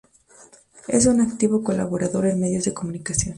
Es un activo colaborador en medios de comunicación.